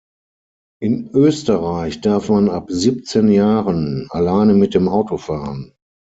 In Österreich darf man ab siebzehn Jahren alleine mit dem Auto fahren.